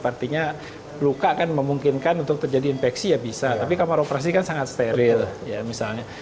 artinya luka kan memungkinkan untuk terjadi infeksi ya bisa tapi kamar operasi kan sangat steril ya misalnya